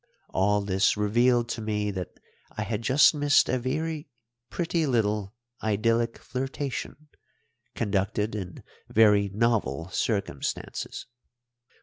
All this revealed to me that I had just missed a very pretty little idyllic flirtation, conducted in very novel circumstances.